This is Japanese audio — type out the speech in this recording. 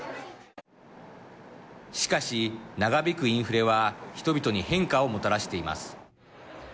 しかし長引くインフレは人々に変化をもたらしています。